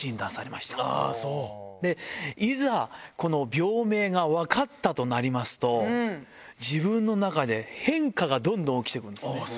で、いざ、この病名が分かったとなりますと、自分の中で、変化がどんどん起きてくるんですね。